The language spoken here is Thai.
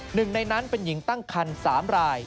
หนึ่งในนั้นเป็นหญิงตั้งคัน๓ราย